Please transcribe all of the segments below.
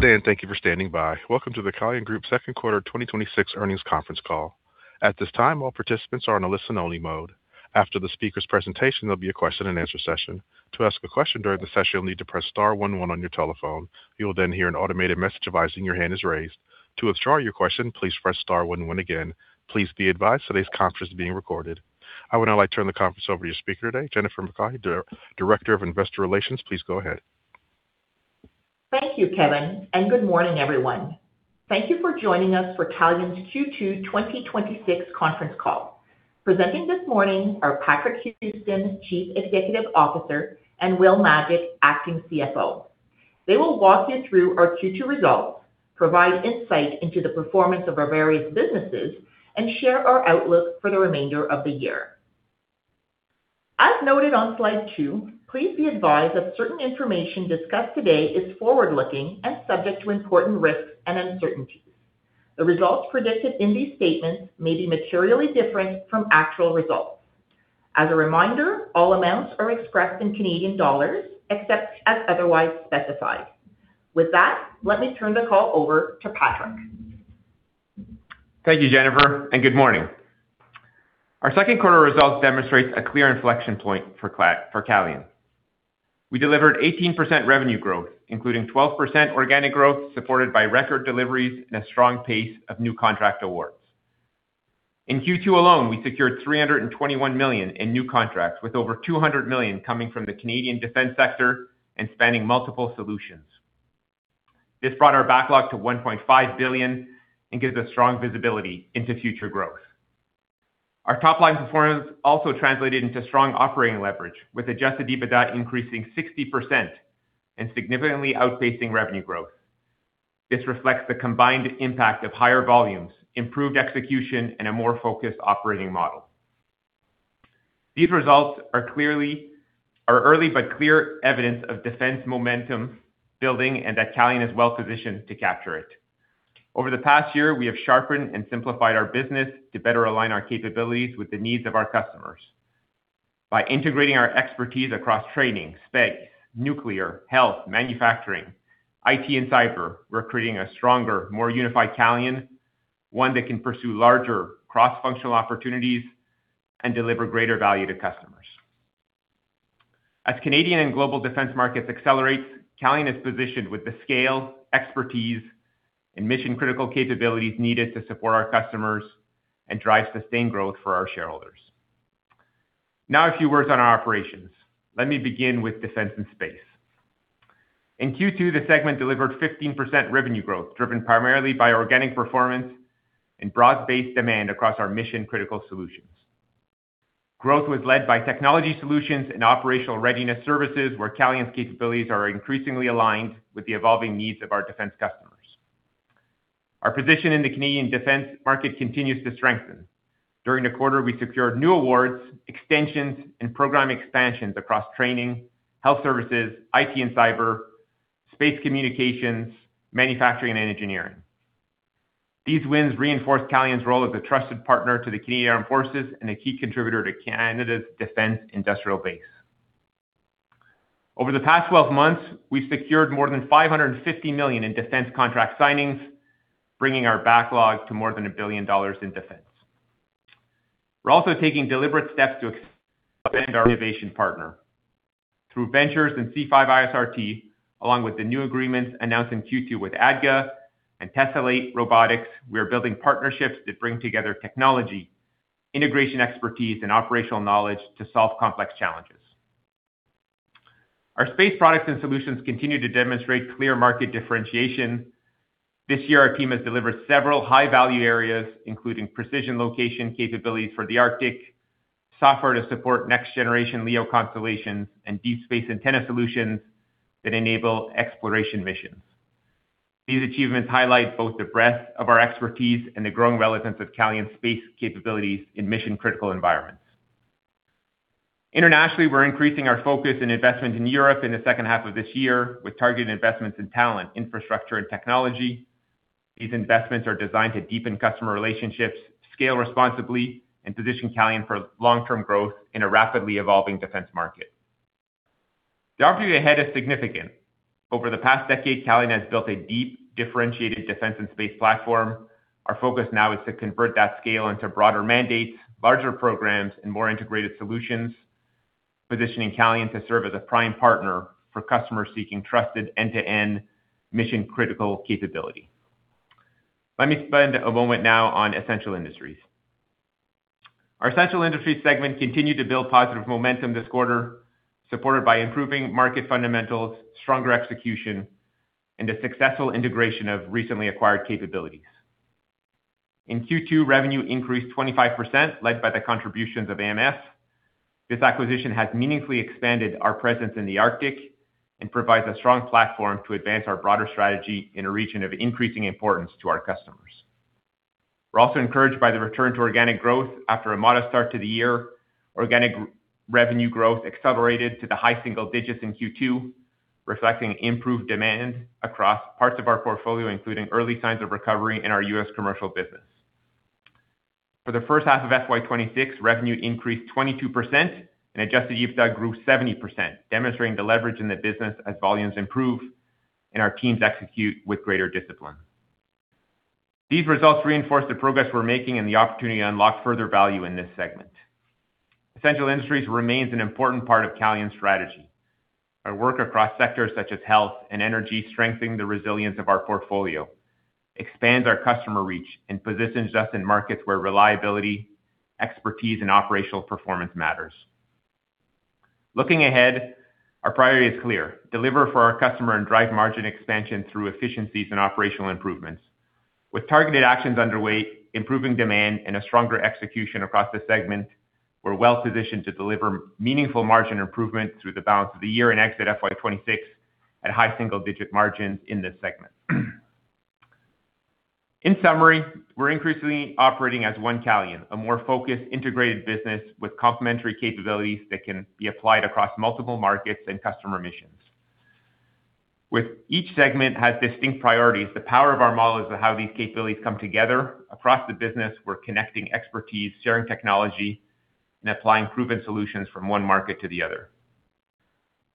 Good day. Thank you for standing by. Welcome to the Calian Group second quarter 2026 earnings conference call. At this time, all participants are on a listen-only mode. After the speaker's presentation, there'll be a question-and-answer session. To ask a question during the session, you'll need to press star one one on your telephone. You'll hear an automated message advising your hand is raised. To withdraw your question, please press star one one again. Please be advised today's conference is being recorded. I would now like to turn the conference over to your speaker today, Jennifer McCaughey, Director of Investor Relations. Please go ahead. Thank you, Kevin. Good morning, everyone. Thank you for joining us for Calian's Q2 2026 conference call. Presenting this morning are Patrick Houston, Chief Executive Officer, and Will Majic, Acting CFO. They will walk you through our Q2 results, provide insight into the performance of our various businesses, and share our outlook for the remainder of the year. As noted on slide two, please be advised that certain information discussed today is forward-looking and subject to important risks and uncertainties. The results predicted in these statements may be materially different from actual results. As a reminder, all amounts are expressed in Canadian dollars except as otherwise specified. With that, let me turn the call over to Patrick. Thank you, Jennifer, and good morning. Our second quarter results demonstrates a clear inflection point for Calian. We delivered 18% revenue growth, including 12% organic growth supported by record deliveries and a strong pace of new contract awards. In Q2 alone, we secured 321 million in new contracts, with over 200 million coming from the Canadian defense sector and spanning multiple solutions. This brought our backlog to 1.5 billion and gives us strong visibility into future growth. Our top-line performance also translated into strong operating leverage, with adjusted EBITDA increasing 60% and significantly outpacing revenue growth. This reflects the combined impact of higher volumes, improved execution, and a more focused operating model. These results are early but clear evidence of defense momentum building and that Calian is well-positioned to capture it. Over the past year, we have sharpened and simplified our business to better align our capabilities with the needs of our customers. By integrating our expertise across training, space, nuclear, health, manufacturing, IT and cyber, we're creating a stronger, more unified Calian, one that can pursue larger cross-functional opportunities and deliver greater value to customers. As Canadian and global Defence markets accelerate, Calian is positioned with the scale, expertise, and mission-critical capabilities needed to support our customers and drive sustained growth for our shareholders. Now a few words on our operations. Let me begin with Defence & Space. In Q2, the segment delivered 15% revenue growth, driven primarily by organic performance and broad-based demand across our mission-critical solutions. Growth was led by technology solutions and operational readiness services, where Calian's capabilities are increasingly aligned with the evolving needs of our Defence customers. Our position in the Canadian defence market continues to strengthen. During the quarter, we secured new awards, extensions, and program expansions across training, health services, IT and cyber, space communications, manufacturing, and engineering. These wins reinforce Calian's role as a trusted partner to the Canadian Armed Forces and a key contributor to Canada's defence industrial base. Over the past 12 months, we've secured more than 550 million in defence contract signings, bringing our backlog to more than 1 billion dollars in defence. We're also taking deliberate steps to expand our innovation partner. Through ventures in C5ISRT, along with the new agreements announced in Q2 with ADGA and Tessellate Robotics, we are building partnerships that bring together technology, integration expertise, and operational knowledge to solve complex challenges. \ Our space products and solutions continue to demonstrate clear market differentiation. This year, our team has delivered several high-value areas, including precision location capabilities for the Arctic, software to support next-generation LEO constellations, and deep space antenna solutions that enable exploration missions. These achievements highlight both the breadth of our expertise and the growing relevance of Calian's space capabilities in mission-critical environments. Internationally, we're increasing our focus and investment in Europe in the second half of this year with targeted investments in talent, infrastructure, and technology. These investments are designed to deepen customer relationships, scale responsibly, and position Calian for long-term growth in a rapidly evolving defense market. The opportunity ahead is significant. Over the past decade, Calian has built a deep, differentiated defense and space platform. Our focus now is to convert that scale into broader mandates, larger programs, and more integrated solutions, positioning Calian to serve as a prime partner for customers seeking trusted end-to-end mission-critical capability. Let me spend a moment now on Essential Industries. Our Essential Industries segment continued to build positive momentum this quarter, supported by improving market fundamentals, stronger execution, and the successful integration of recently acquired capabilities. In Q2, revenue increased 25%, led by the contributions of AMS. This acquisition has meaningfully expanded our presence in the Arctic and provides a strong platform to advance our broader strategy in a region of increasing importance to our customers. We're also encouraged by the return to organic growth after a modest start to the year. Organic revenue growth accelerated to the high single digits in Q2, reflecting improved demand across parts of our portfolio, including early signs of recovery in our U.S. commercial business. For the first half of FY 2026, revenue increased 22% and adjusted EBITDA grew 70%, demonstrating the leverage in the business as volumes improve and our teams execute with greater discipline. These results reinforce the progress we're making and the opportunity to unlock further value in this segment. Essential Industries remains an important part of Calian's strategy. Our work across sectors such as health and energy strengthen the resilience of our portfolio, expands our customer reach, and positions us in markets where reliability, expertise, and operational performance matters. Looking ahead, our priority is clear: deliver for our customer and drive margin expansion through efficiencies and operational improvements. With targeted actions underway, improving demand, and a stronger execution across the segment, we're well-positioned to deliver meaningful margin improvement through the balance of the year and exit FY 2026 at high single-digit margins in this segment. In summary, we're increasingly operating as one Calian, a more focused, integrated business with complementary capabilities that can be applied across multiple markets and customer missions. With each segment has distinct priorities, the power of our model is how these capabilities come together. Across the business, we're connecting expertise, sharing technology, and applying proven solutions from one market to the other.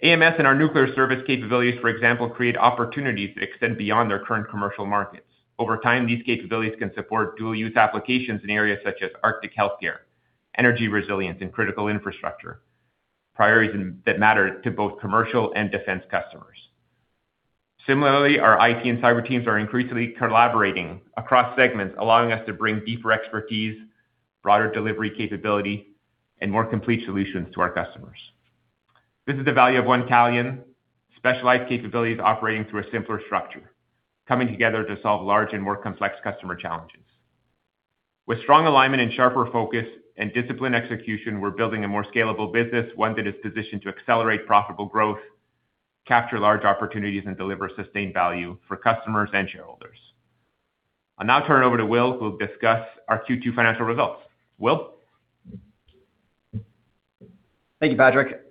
AMS and our nuclear service capabilities, for example, create opportunities that extend beyond their current commercial markets. Over time, these capabilities can support dual use applications in areas such as Arctic healthcare, energy resilience, and critical infrastructure, priorities that matter to both commercial and defense customers. Similarly, our IT and cyber teams are increasingly collaborating across segments, allowing us to bring deeper expertise, broader delivery capability, and more complete solutions to our customers. This is the value of one Calian, specialized capabilities operating through a simpler structure, coming together to solve large and more complex customer challenges. With strong alignment and sharper focus and disciplined execution, we're building a more scalable business, one that is positioned to accelerate profitable growth, capture large opportunities, and deliver sustained value for customers and shareholders. I'll now turn it over to Will, who will discuss our Q2 financial results. Will? Thank you, Patrick.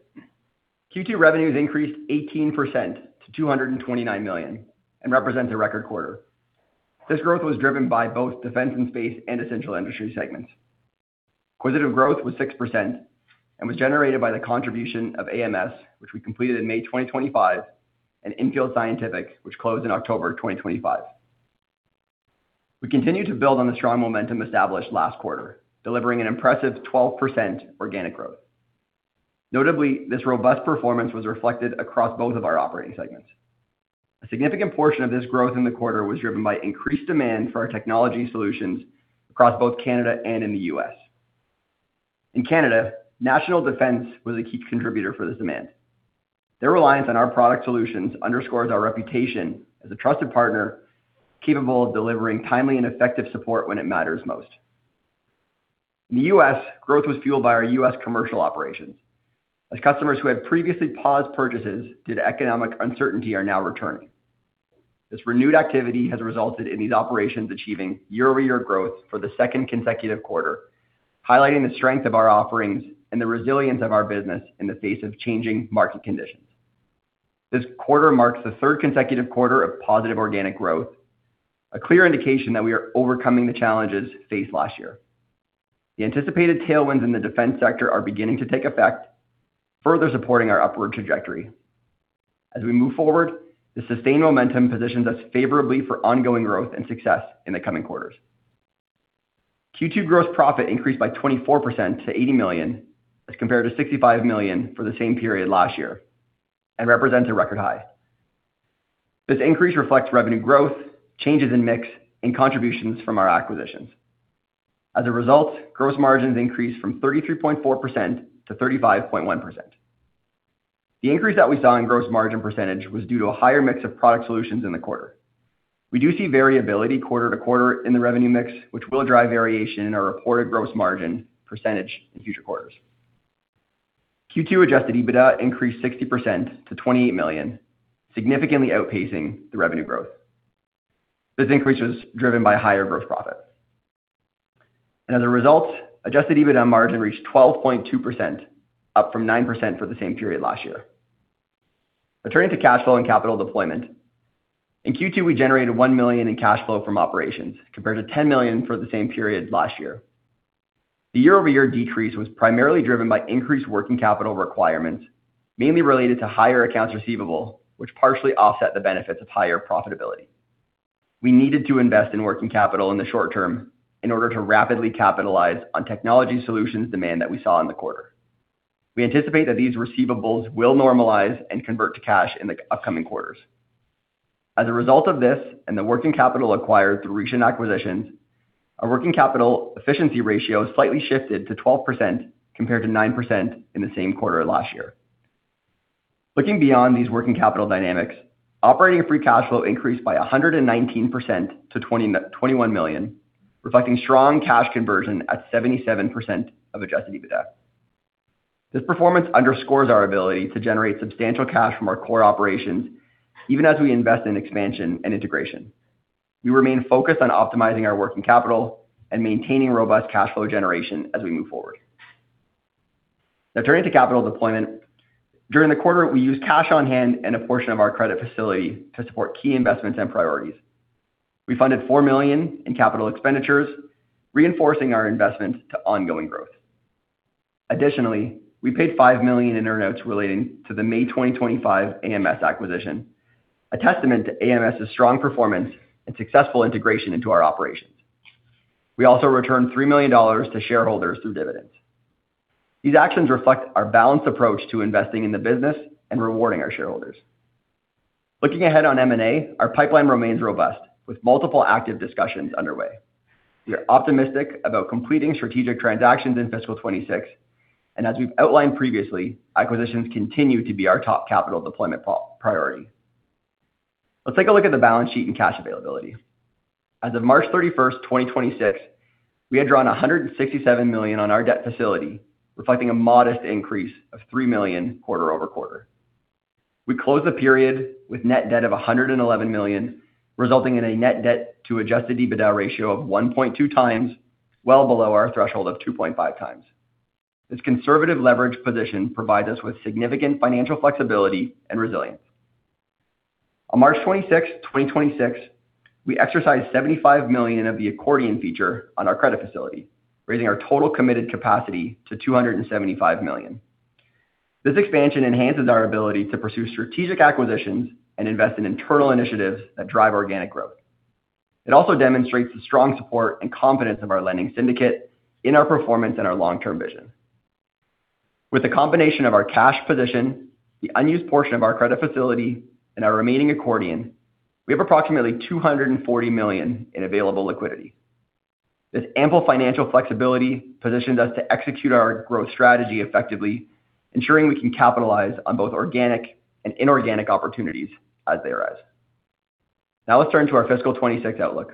Q2 revenues increased 18% to 229 million and represents a record quarter. This growth was driven by both Defence & Space and Essential Industries segments. Acquisitive growth was 6% and was generated by the contribution of AMS, which we completed in May 2025, and InField Scientific, which closed in October 2025. We continue to build on the strong momentum established last quarter, delivering an impressive 12% organic growth. Notably, this robust performance was reflected across both of our operating segments. A significant portion of this growth in the quarter was driven by increased demand for our technology solutions across both Canada and in the U.S. In Canada, National Defence was a key contributor for this demand. Their reliance on our product solutions underscores our reputation as a trusted partner capable of delivering timely and effective support when it matters most. In the U.S., growth was fueled by our U.S. commercial operations, as customers who had previously paused purchases due to economic uncertainty are now returning. This renewed activity has resulted in these operations achieving year-over-year growth for the second consecutive quarter, highlighting the strength of our offerings and the resilience of our business in the face of changing market conditions. This quarter marks the third consecutive quarter of positive organic growth, a clear indication that we are overcoming the challenges faced last year. The anticipated tailwinds in the Defence sector are beginning to take effect, further supporting our upward trajectory. As we move forward, the sustained momentum positions us favorably for ongoing growth and success in the coming quarters. Q2 gross profit increased by 24% to 80 million as compared to 65 million for the same period last year and represents a record high. This increase reflects revenue growth, changes in mix and contributions from our acquisitions. As a result, gross margins increased from 33.4%-35.1%. The increase that we saw in gross margin percentage was due to a higher mix of product solutions in the quarter. We do see variability quarter-to-quarter in the revenue mix, which will drive variation in our reported gross margin percentage in future quarters. Q2 adjusted EBITDA increased 60% to 28 million, significantly outpacing the revenue growth. As a result, adjusted EBITDA margin reached 12.2%, up from 9% for the same period last year. Now turning to cash flow and capital deployment. In Q2, we generated 1 million in cash flow from operations compared to 10 million for the same period last year. The year-over-year decrease was primarily driven by increased working capital requirements, mainly related to higher accounts receivable, which partially offset the benefits of higher profitability. We needed to invest in working capital in the short term in order to rapidly capitalize on technology solutions demand that we saw in the quarter. We anticipate that these receivables will normalize and convert to cash in the upcoming quarters. As a result of this and the working capital acquired through recent acquisitions, our working capital efficiency ratio slightly shifted to 12% compared to 9% in the same quarter last year. Looking beyond these working capital dynamics, operating free cash flow increased by 119% to 21 million, reflecting strong cash conversion at 77% of adjusted EBITDA. This performance underscores our ability to generate substantial cash from our core operations even as we invest in expansion and integration. We remain focused on optimizing our working capital and maintaining robust cash flow generation as we move forward. Now turning to capital deployment. During the quarter, we used cash on hand and a portion of our credit facility to support key investments and priorities. We funded 4 million in capital expenditures, reinforcing our investment to ongoing growth. Additionally, we paid 5 million in earn-outs relating to the May 2025 AMS acquisition, a testament to AMS' strong performance and successful integration into our operations. We also returned 3 million dollars to shareholders through dividends. These actions reflect our balanced approach to investing in the business and rewarding our shareholders. Looking ahead on M&A, our pipeline remains robust with multiple active discussions underway. We are optimistic about completing strategic transactions in fiscal 2026. As we've outlined previously, acquisitions continue to be our top capital deployment priority. Let's take a look at the balance sheet and cash availability. As of March 31st, 2026, we had drawn 167 million on our debt facility, reflecting a modest increase of 3 million quarter-over-quarter. We closed the period with net debt of 111 million, resulting in a net debt to adjusted EBITDA ratio of 1.2x, well below our threshold of 2.5x. This conservative leverage position provides us with significant financial flexibility and resilience. On March 26th, 2026, we exercised 75 million of the accordion feature on our credit facility, raising our total committed capacity to 275 million. This expansion enhances our ability to pursue strategic acquisitions and invest in internal initiatives that drive organic growth. It also demonstrates the strong support and confidence of our lending syndicate in our performance and our long-term vision. With the combination of our cash position, the unused portion of our credit facility, and our remaining accordion, we have approximately 240 million in available liquidity. This ample financial flexibility positions us to execute our growth strategy effectively, ensuring we can capitalize on both organic and inorganic opportunities as they arise. Let's turn to our fiscal 2026 outlook.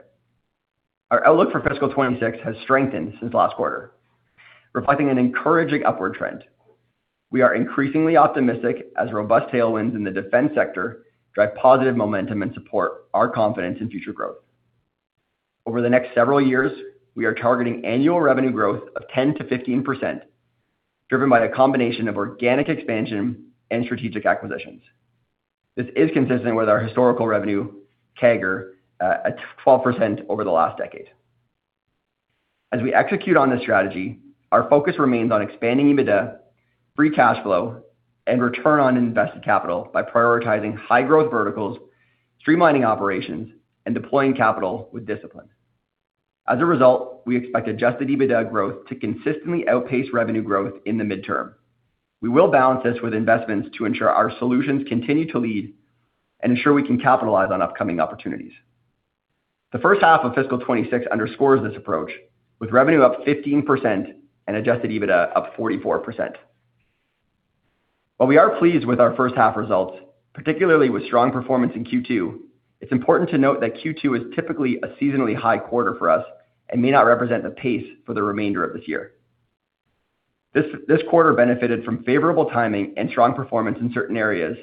Our outlook for fiscal 2026 has strengthened since last quarter, reflecting an encouraging upward trend. We are increasingly optimistic as robust tailwinds in the Defence sector drive positive momentum and support our confidence in future growth. Over the next several years, we are targeting annual revenue growth of 10%-15%, driven by a combination of organic expansion and strategic acquisitions. This is consistent with our historical revenue CAGR at 12% over the last decade. As we execute on this strategy, our focus remains on expanding EBITDA, free cash flow, and return on invested capital by prioritizing high-growth verticals, streamlining operations, and deploying capital with discipline. As a result, we expect adjusted EBITDA growth to consistently outpace revenue growth in the midterm. We will balance this with investments to ensure our solutions continue to lead and ensure we can capitalize on upcoming opportunities. The first half of fiscal 2026 underscores this approach, with revenue up 15% and adjusted EBITDA up 44%. While we are pleased with our first half results, particularly with strong performance in Q2, it's important to note that Q2 is typically a seasonally high quarter for us and may not represent the pace for the remainder of this year. This quarter benefited from favorable timing and strong performance in certain areas,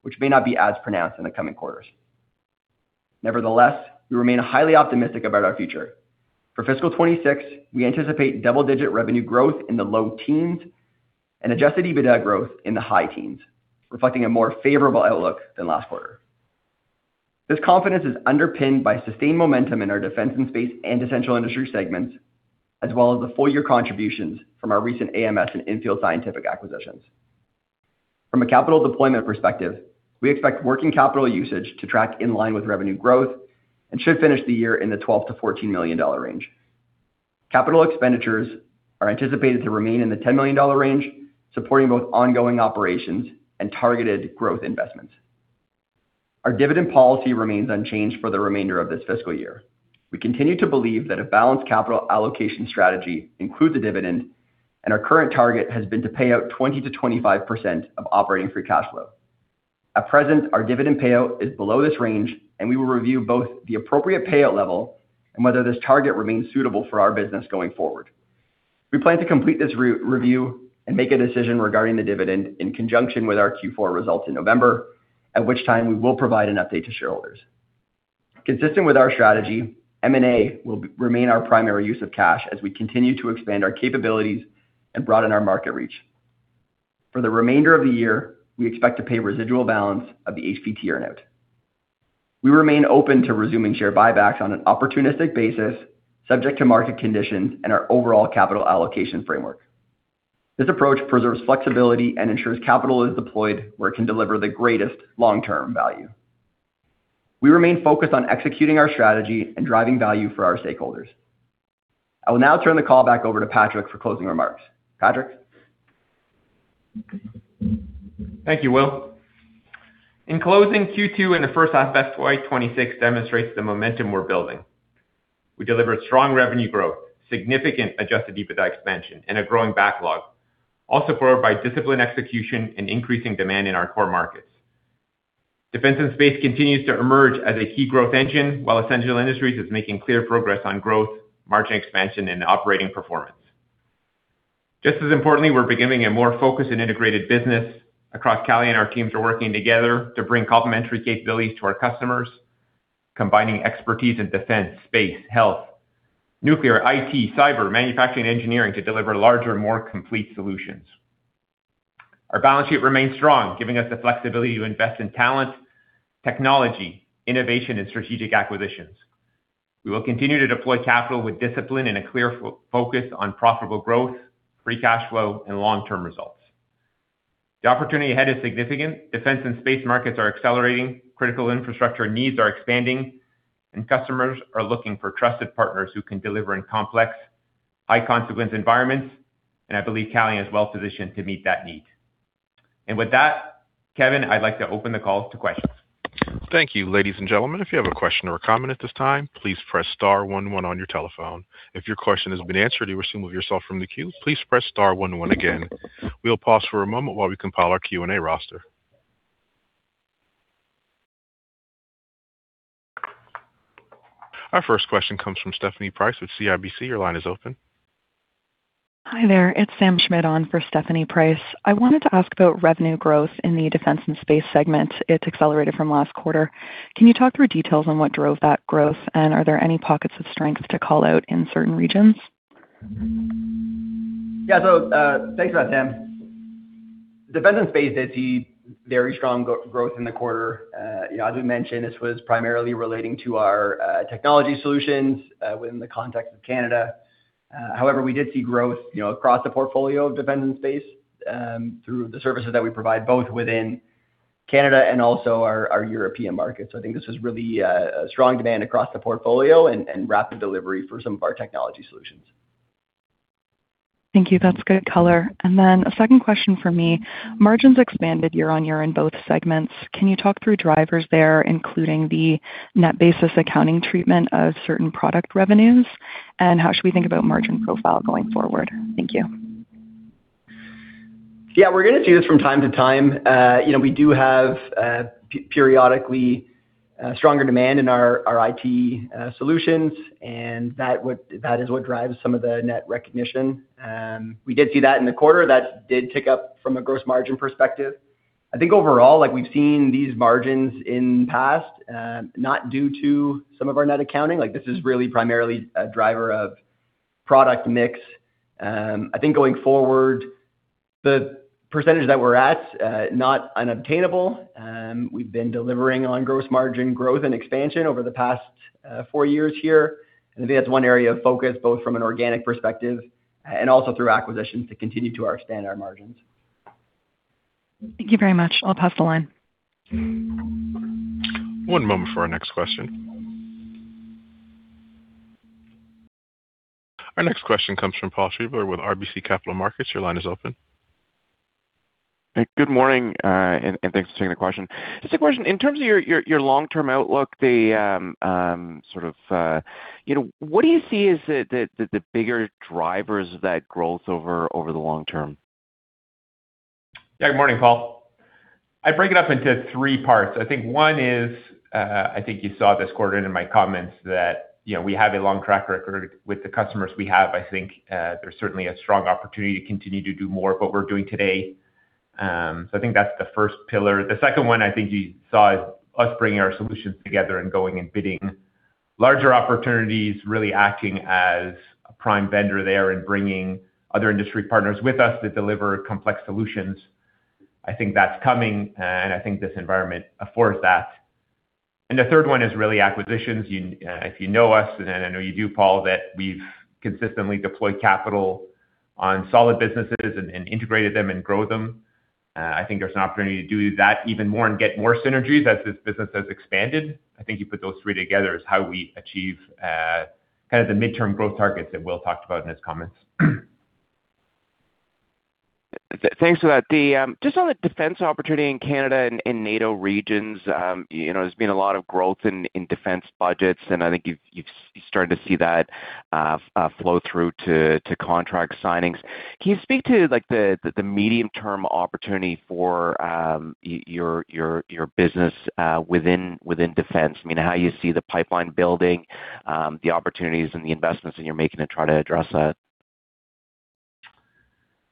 which may not be as pronounced in the coming quarters. Nevertheless, we remain highly optimistic about our future. For fiscal 2026, we anticipate double-digit revenue growth in the low teens and adjusted EBITDA growth in the high teens, reflecting a more favorable outlook than last quarter. This confidence is underpinned by sustained momentum in our Defence & Space and Essential Industries segments, as well as the full-year contributions from our recent AMS and InField Scientific acquisitions. From a capital deployment perspective, we expect working capital usage to track in line with revenue growth and should finish the year in the 12 million-14 million dollar range. Capital expenditures are anticipated to remain in the 10 million dollar range, supporting both ongoing operations and targeted growth investments. Our dividend policy remains unchanged for the remainder of this fiscal year. We continue to believe that a balanced capital allocation strategy includes a dividend, and our current target has been to pay out 20%-25% of operating free cash flow. At present, our dividend payout is below this range, and we will review both the appropriate payout level and whether this target remains suitable for our business going forward. We plan to complete this re-review and make a decision regarding the dividend in conjunction with our Q4 results in November, at which time we will provide an update to shareholders. Consistent with our strategy, M&A will remain our primary use of cash as we continue to expand our capabilities and broaden our market reach. For the remainder of the year, we expect to pay residual balance of the HPT earn-out. We remain open to resuming share buybacks on an opportunistic basis, subject to market conditions and our overall capital allocation framework. This approach preserves flexibility and ensures capital is deployed where it can deliver the greatest long-term value. We remain focused on executing our strategy and driving value for our stakeholders. I will now turn the call back over to Patrick for closing remarks. Patrick? Thank you, Will. In closing, Q2 and the first half of FY 2026 demonstrates the momentum we're building. We delivered strong revenue growth, significant adjusted EBITDA expansion, and a growing backlog, all supported by disciplined execution and increasing demand in our core markets. Defence & Space continues to emerge as a key growth engine while Essential Industries is making clear progress on growth, margin expansion, and operating performance. Just as importantly, we're beginning a more focused and integrated business across Calian. Our teams are working together to bring complementary capabilities to our customers, combining expertise in Defence, space, health, nuclear, IT, cyber, manufacturing, engineering to deliver larger, more complete solutions. Our balance sheet remains strong, giving us the flexibility to invest in talent, technology, innovation, and strategic acquisitions. We will continue to deploy capital with discipline and a clear focus on profitable growth, free cash flow, and long-term results. The opportunity ahead is significant. Defense and space markets are accelerating, critical infrastructure needs are expanding, and customers are looking for trusted partners who can deliver in complex, high consequence environments. I believe Calian is well-positioned to meet that need. With that, Kevin, I'd like to open the call to questions. Our first question comes from Stephanie Price with CIBC. Your line is open. Hi there. It's Sam Schmidt on for Stephanie Price. I wanted to ask about revenue growth in the Defence & Space segment. It's accelerated from last quarter. Can you talk through details on what drove that growth, and are there any pockets of strength to call out in certain regions? Thanks for that, Sam. Defence & Space did see very strong growth in the quarter. You know, as we mentioned, this was primarily relating to our technology solutions within the context of Canada. However, we did see growth, you know, across the portfolio of Defence & Space through the services that we provide both within Canada and also our European markets. I think this was really a strong demand across the portfolio and rapid delivery for some of our technology solutions. Thank you. That's good color. A second question from me. Margins expanded year-over-year in both segments. Can you talk through drivers there, including the net basis accounting treatment of certain product revenues, and how should we think about margin profile going forward? Thank you. Yeah, we're gonna see this from time to time. You know, we do have periodically stronger demand in our IT solutions, and that is what drives some of the net recognition. We did see that in the quarter. That did tick up from a gross margin perspective. I think overall, like we've seen these margins in past, not due to some of our net accounting. Like this is really primarily a driver of product mix. I think going forward, the percentage that we're at, not unobtainable. We've been delivering on gross margin growth and expansion over the past four years here. I think that's one area of focus, both from an organic perspective and also through acquisitions to continue to our standard margins. Thank you very much. I'll pass the line. One moment for our next question. Our next question comes from Paul Treiber with RBC Capital Markets. Your line is open. Hey, good morning, and thanks for taking the question. Just a question, in terms of your long-term outlook, the sort of, you know, what do you see as the bigger drivers of that growth over the long term? Good morning, Paul. I break it up into three parts. I think 1 is, I think you saw this quarter in my comments that, you know, we have a long track record with the customers we have. I think there's certainly a strong opportunity to continue to do more of what we're doing today. I think that's the first pillar. The second one I think you saw is us bringing our solutions together and going and bidding larger opportunities, really acting as a prime vendor there and bringing other industry partners with us to deliver complex solutions. I think that's coming. I think this environment affords that. The third one is really acquisitions. If you know us, I know you do, Paul, that we've consistently deployed capital on solid businesses and integrated them and grow them. I think there's an opportunity to do that even more and get more synergies as this business has expanded. I think you put those three together is how we achieve kind of the midterm growth targets that Will talked about in his comments. Thanks for that. Just on the defense opportunity in Canada and in NATO regions, you know, there's been a lot of growth in defense budgets, and I think you've started to see that flow through to contract signings. Can you speak to, like, the medium-term opportunity for your business within defense? I mean, how you see the pipeline building, the opportunities and the investments that you're making to try to address that?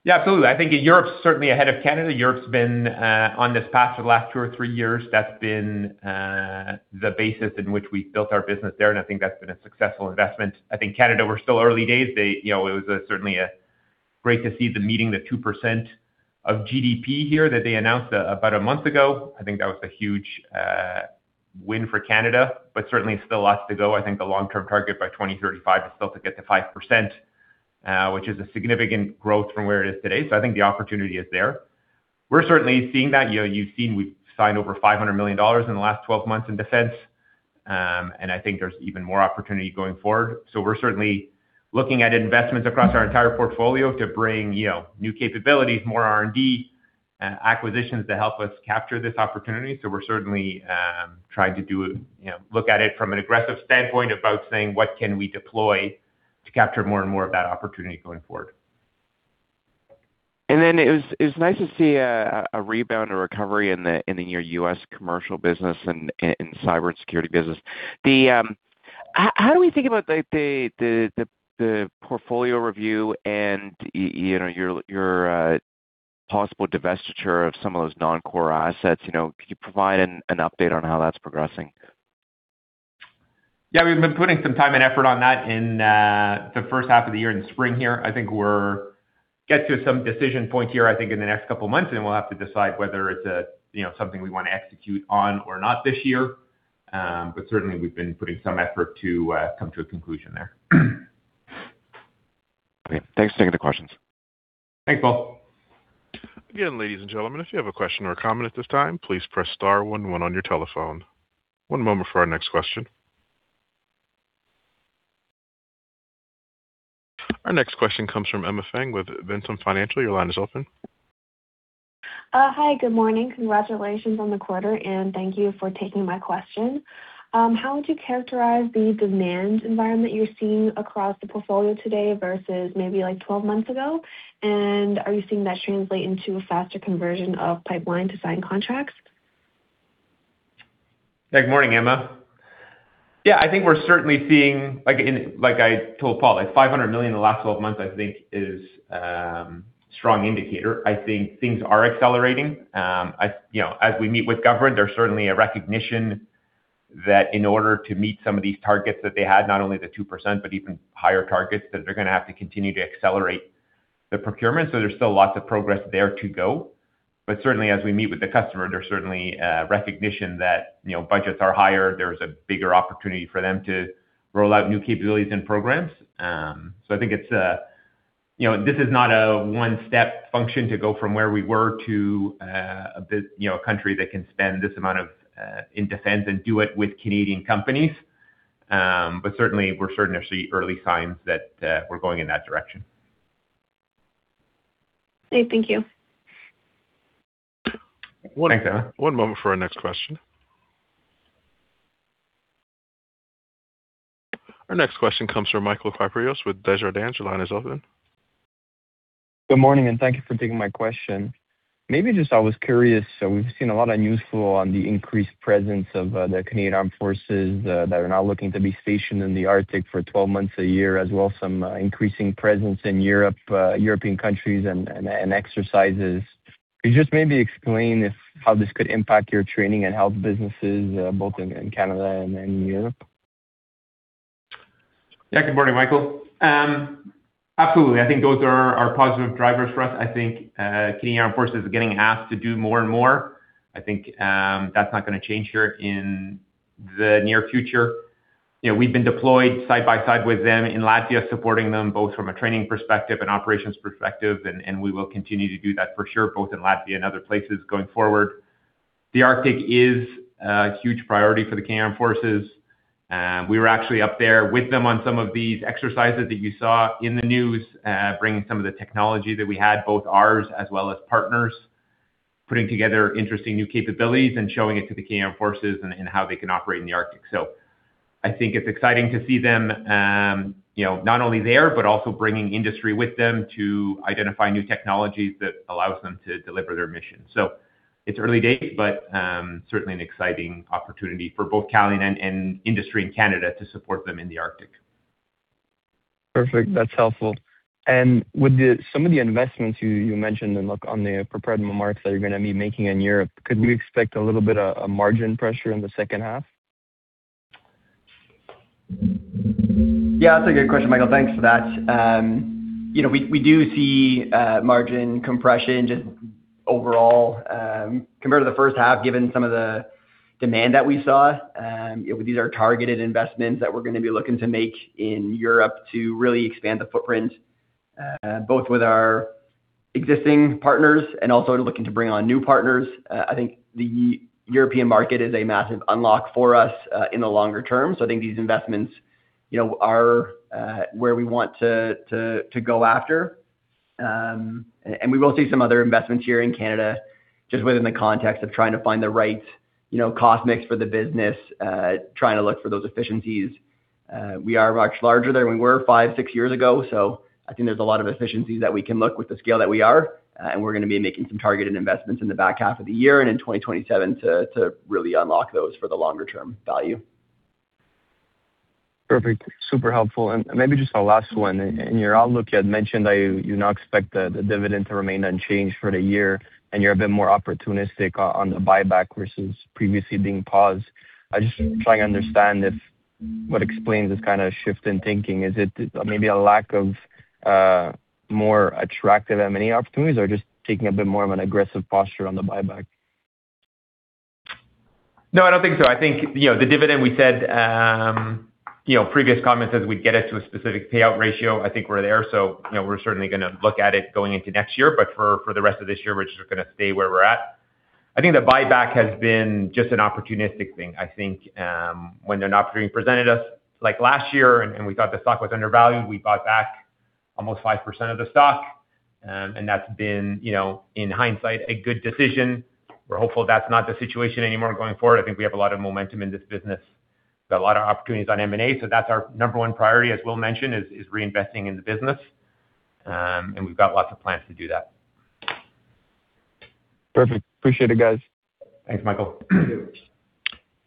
Absolutely. I think Europe's certainly ahead of Canada. Europe's been on this path for the last two or three years. That's been the basis in which we've built our business there, and I think that's been a successful investment. I think Canada, we're still early days. They, you know, it was certainly great to see them meeting the 2% of GDP here that they announced about a month ago. I think that was a huge win for Canada, but certainly still lots to go. I think the long-term target by 2035 is still to get to 5%, which is a significant growth from where it is today. I think the opportunity is there. We're certainly seeing that. You know, you've seen we've signed over 500 million dollars in the last 12 months in defense. I think there's even more opportunity going forward. We're certainly looking at investments across our entire portfolio to bring, you know, new capabilities, more R&D, acquisitions to help us capture this opportunity. We're certainly trying to do, you know, look at it from an aggressive standpoint about saying, "What can we deploy to capture more and more of that opportunity going forward? It was nice to see a rebound or recovery in your U.S. commercial business and cyber security business. How do we think about, like, the portfolio review and your possible divestiture of some of those non-core assets, you know. Could you provide an update on how that's progressing? Yeah, we've been putting some time and effort on that in the first half of the year in spring here. I think we're get to some decision point here, I think in the next two months, and we'll have to decide whether it's a, you know, something we wanna execute on or not this year. Certainly we've been putting some effort to come to a conclusion there. Okay. Thanks for taking the questions. Thanks, Paul. Again, ladies and gentlemen, if you have a question or comment at this time, please press star one one on your telephone. One moment for our next question. Our next question comes from Emma Feng with Ventum Financial. Your line is open. Hi, good morning. Congratulations on the quarter. Thank you for taking my question. How would you characterize the demand environment you're seeing across the portfolio today versus maybe like 12 months ago? Are you seeing that translate into a faster conversion of pipeline to sign contracts? Good morning, Emma. I think we're certainly seeing, like I told Paul, like 500 million in the last 12 months, I think is a strong indicator. I think things are accelerating. I, you know, as we meet with government, there's certainly a recognition that in order to meet some of these targets that they had, not only the 2%, but even higher targets, that they're going to have to continue to accelerate the procurement. There's still lots of progress there to go. Certainly as we meet with the customer, there's certainly a recognition that, you know, budgets are higher, there's a bigger opportunity for them to roll out new capabilities and programs. I think it's a, you know, this is not a one-step function to go from where we were to, this, you know, a country that can spend this amount of, in defense and do it with Canadian companies. Certainly we're certain there are early signs that, we're going in that direction. Okay, thank you. Thanks, Emma. One moment for our next question. Our next question comes from Michael Kypreos with Desjardins. Your line is open. Good morning. Thank you for taking my question. I was curious. We've seen a lot of news flow on the increased presence of the Canadian Armed Forces that are now looking to be stationed in the Arctic for 12 months a year, as well, some increasing presence in Europe, European countries and exercises. Could you just maybe explain how this could impact your training and health businesses, both in Canada and Europe? Yeah, good morning, Michael. Absolutely. I think those are positive drivers for us. I think Canadian Armed Forces is getting asked to do more and more. I think that's not going to change here in the near future. You know, we've been deployed side by side with them in Latvia, supporting them both from a training perspective and operations perspective, and we will continue to do that for sure, both in Latvia and other places going forward. The Arctic is a huge priority for the Canadian Armed Forces. We were actually up there with them on some of these exercises that you saw in the news, bringing some of the technology that we had, both ours as well as partners, putting together interesting new capabilities and showing it to the Canadian Armed Forces and how they can operate in the Arctic. I think it's exciting to see them, you know, not only there, but also bringing industry with them to identify new technologies that allows them to deliver their mission. It's early days, but certainly an exciting opportunity for both Calian and industry in Canada to support them in the Arctic. Perfect. That's helpful. With some of the investments you mentioned and look on the prepared remarks that you're going to be making in Europe, could we expect a little bit of a margin pressure in the second half? Yeah, that's a good question, Michael. Thanks for that. You know, we do see margin compression just overall, compared to the first half, given some of the demand that we saw. These are targeted investments that we're gonna be looking to make in Europe to really expand the footprint, both with our existing partners and also looking to bring on new partners. I think the European market is a massive unlock for us in the longer term. I think these investments, you know, are where we want to go after. We will see some other investments here in Canada, just within the context of trying to find the right, you know, cost mix for the business, trying to look for those efficiencies. We are much larger than we were 5, 6 years ago, so I think there's a lot of efficiencies that we can look with the scale that we are, and we're gonna be making some targeted investments in the back half of the year and in 2027 to really unlock those for the longer term value. Perfect. Super helpful. Maybe just a last one. In your outlook, you had mentioned that you now expect the dividend to remain unchanged for the year, and you're a bit more opportunistic on the buyback versus previously being paused. I'm just trying to understand what explains this kind of shift in thinking. Is it maybe a lack of more attractive M&A opportunities or just taking a bit more of an aggressive posture on the buyback? No, I don't think so. I think, you know, the dividend we said, you know, previous comments as we'd get it to a specific payout ratio, I think we're there. You know, we're certainly gonna look at it going into next year. For the rest of this year, we're just gonna stay where we're at. I think the buyback has been just an opportunistic thing. I think, when an opportunity presented us, like last year and we thought the stock was undervalued, we bought back almost 5% of the stock. That's been, you know, in hindsight, a good decision. We're hopeful that's not the situation anymore going forward. I think we have a lot of momentum in this business. We've got a lot of opportunities on M&A. That's our number one priority, as Will mentioned, is reinvesting in the business. We've got lots of plans to do that. Perfect. Appreciate it, guys. Thanks, Michael.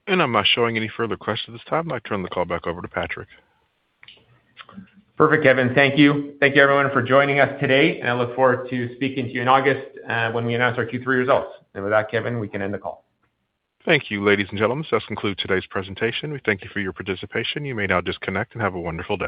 I'm not showing any further questions at this time. I'd like to turn the call back over to Patrick. Perfect, Kevin. Thank you. Thank you everyone for joining us today. I look forward to speaking to you in August, when we announce our Q3 results. With that, Kevin, we can end the call. Thank you, ladies and gentlemen. This conclude today's presentation. We thank you for your participation. You may now disconnect and have a wonderful day.